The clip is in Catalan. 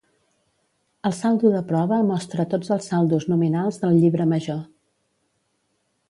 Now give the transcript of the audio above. El saldo de prova mostra tots els saldos nominals del llibre major.